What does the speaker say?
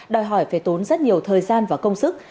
đòi hỏi phải tốn rất nhiều thời gian và công sức